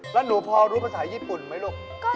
แล้วหนูพอรู้ภาษาญี่ปุ่นไหมลูก